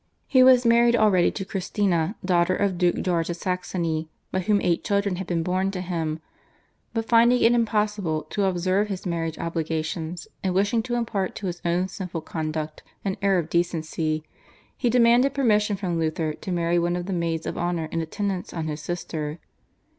He was married already to Christina, daughter of Duke George of Saxony, by whom eight children had been born to him, but finding it impossible to observe his marriage obligations, and wishing to impart to his own sinful conduct an air of decency, he demanded permission from Luther to marry one of the maids of honour in attendance on his sister.